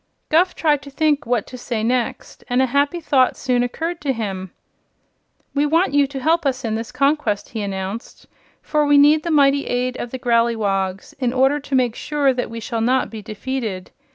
Guph tried to think what to say next, and a happy thought soon occurred to him. "We want you to help us in this conquest," he announced, "for we need the mighty aid of the Growleywogs in order to make sure that we shall not be defeated.